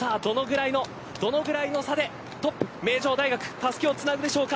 どのくらいの差でトップ名城大学たすきをつなぐでしょうか。